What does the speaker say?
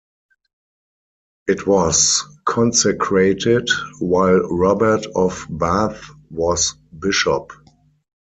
It was consecrated while Robert of Bath was bishop.